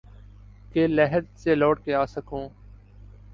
کہ لحد سے لوٹ کے آسکھوں